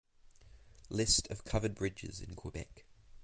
List of covered bridges in Quebec